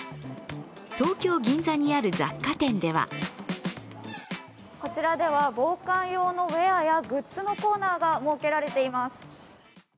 東京・銀座にある雑貨店ではこちらでは防寒用のウエアやグッズのコーナーが設けられています。